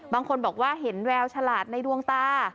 บางคนบอกว่าเห็นแววฉลาดในดวงตา